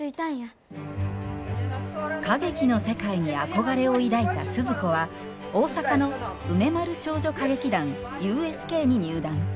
歌劇の世界に憧れを抱いた鈴子は大阪の梅丸少女歌劇団ＵＳＫに入団。